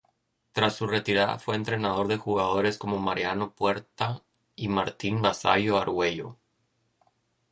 Tras su retirada fue entrenador de jugadores como Mariano Puerta y Martín Vassallo Argüello.